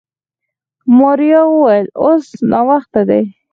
ماريا وويل اوس ناوخته دی.